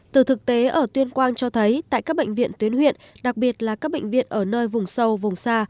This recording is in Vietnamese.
từ thực tế ở tuyên quang cho thấy tại các bệnh viện tuyến huyện đặc biệt là các bệnh viện ở nơi vùng sâu vùng xa